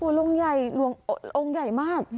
หลวงใหญ่หลวงองค์ใหญ่มาก